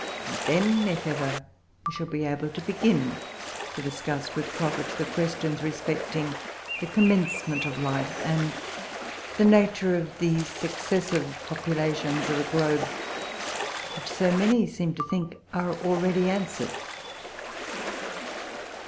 And then, if ever, we shall be able to begin to discuss, with profit, the questions respecting the commencement of life, and the nature of the successive populations of the globe, which so many seem to think are already answered.